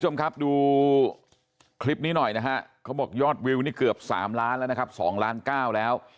คุณผู้ชมครับดูคลิปนี้หน่อยนะฮะเขาบอกยอดวิวนี่เกือบ๓ล้านแล้วนะครับ๒ล้านเก้าแล้ว